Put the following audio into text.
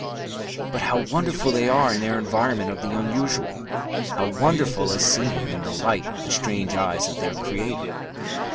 But how wonderful they are in their environment of the unusual! How wonderful as seen in the light of the strange eyes of their creator!